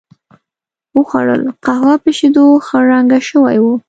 و خوړل، قهوه په شیدو خړ رنګه شوې وه.